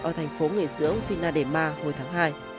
ở thành phố nghỉ sữa vinadema hồi tháng hai